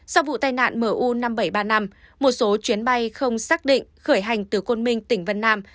sau vụ tai nạn u năm nghìn bảy trăm ba mươi năm một số chuyến bay không xác định khởi hành từ côn minh tỉnh vân nam